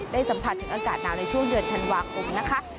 สัมผัสถึงอากาศหนาวในช่วงเดือนธันวาคมนะคะ